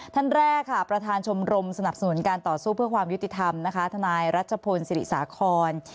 ท่านแรกค่ะประธานชมรมสนับสนุนการต่อสู้เพื่อความยุติธรรมนะคะทนายรัชพลศิริสาคร